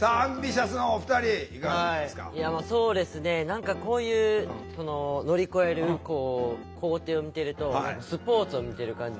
何かこういう乗り越える工程を見てるとスポーツを見てる感じ。